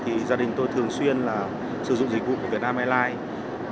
thì gia đình tôi thường xuyên là sử dụng dịch vụ của việt nam airlines